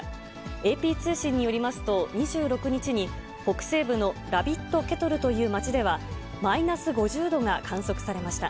ＡＰ通信によりますと、２６日に北西部のラビット・ケトルという街では、マイナス５０度が観測されました。